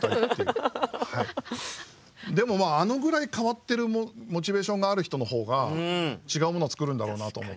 でもあのぐらい変わってるモチベーションがある人のほうが違うもの作るんだろうなと思って。